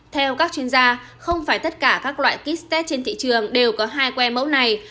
theo các chuyên gia không phải tất cả các loại kit tech trên thị trường đều có hai que mẫu này